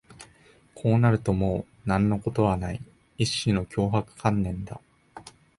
こうなるともう何のことはない、一種の脅迫観念だ